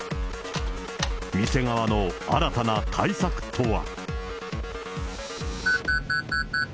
店側の新たな対策とは。